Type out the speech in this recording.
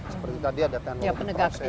seperti tadi ada ten loon process